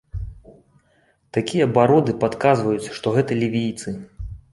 Такія бароды падказваюць, што гэта лівійцы.